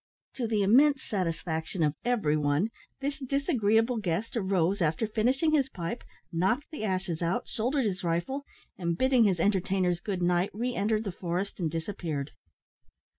To the immense satisfaction of every one, this disagreeable guest arose after finishing his pipe, knocked the ashes out, shouldered his rifle, and, bidding his entertainers good night, re entered the forest, and disappeared.